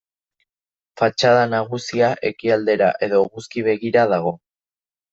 Fatxada nagusia ekialdera edo eguzki begira dago.